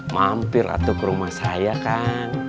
mampir atuk rumah saya kan